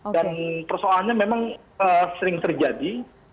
dan persoalannya memang sering terjadi